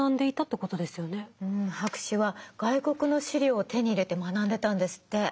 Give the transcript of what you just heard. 博士は外国の資料を手に入れて学んでたんですって。